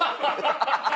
ハハハハハ！